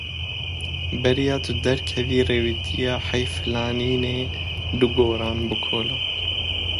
Beriya tu derkevî rêvîtiya heyfhilanînê du goran bikole.